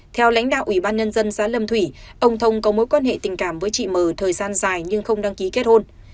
theo lãnh đạo ủy ban nhân dân xã lâm thủy ông thông có mối quan hệ tình cảm với chị mờ thời gian dài nhưng không đăng ký kết hôn